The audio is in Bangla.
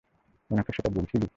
উনাকে সেটা বলেছিলি?